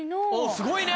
すごいね。